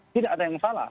tidak ada yang salah